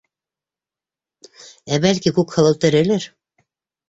Ә, бәлки, Күкһылыу терелер?